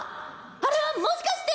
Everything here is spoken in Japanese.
あれはもしかして！